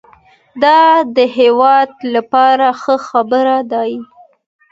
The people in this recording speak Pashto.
دا د هېواد لپاره ښه خبر دی